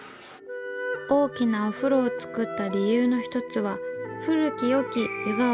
大きなお風呂を作った理由の一つは古き良き湯河原への思いだとか。